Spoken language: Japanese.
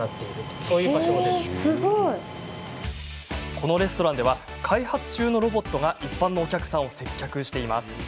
このレストランでは開発中のロボットが一般のお客さんを接客しています。